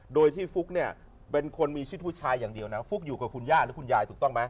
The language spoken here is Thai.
โดยที่ฟุ๊กเนี่ยเป็นคนมีชื่อผู้ชายอย่างเดียวนะฟุ๊กอยู่กับคุณย่าหรือคุณยายถูกต้องไหม